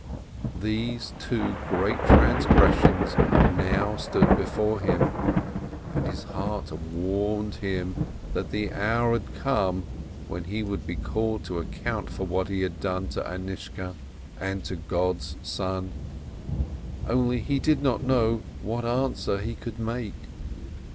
These two great transgressions now stood before him, and his heart warned him that the hour had come when he would be called to account for what he had done to Anishka and to God's son. Only he did not know what answer he could make.